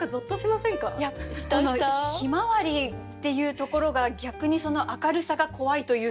「ひまわり」っていうところが逆にその明るさが怖いというか。